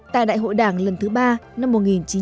tại đại hội đảng lần thứ ba năm một nghìn chín trăm sáu mươi